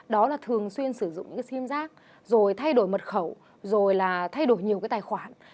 đó là thường xuyên sử dụng sim giác thay đổi mật khẩu thay đổi nhiều tài khoản